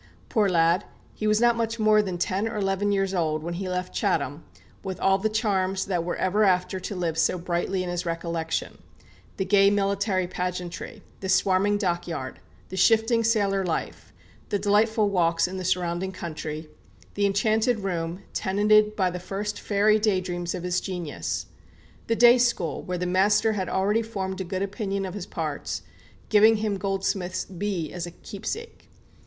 Poor lad, he was not much more than ten or eleven years old when he left Chatham, with all the charms that were ever after to live so brightly in his recollection, the gay military pageantry, the swarming dockyard, the shifting sailor life, the delightful walks in the surrounding country, the enchanted room, tenanted by the first fairy day dreams of his genius, the day school, where the master had already formed a good opinion of his parts, giving him Goldsmith's "Bee" as a keepsake.